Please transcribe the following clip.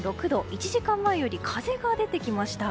１時間前より風が出てきました。